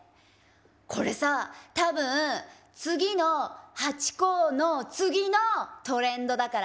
これさ多分、次のハチ公の次のトレンドだから。